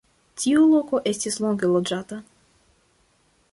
Tiu loko estis longe loĝata.